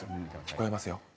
聞こえますよ。